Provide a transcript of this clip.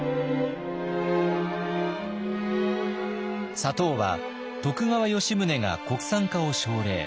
砂糖は徳川吉宗が国産化を奨励。